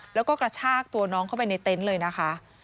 แล้วก็กระชากตัวน้องเข้าไปในเต็นต์เลยนะคะ